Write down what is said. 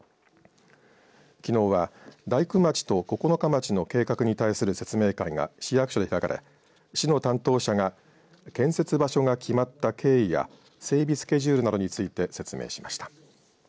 きのうは大工町と九日町の計画に対する説明会が市役所で開かれ市の担当者が建設場所が決まった経緯や整備スケジュールなどについて説明しました。